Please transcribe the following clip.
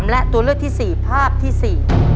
และตัวเลือกที่สี่ภาพที่๔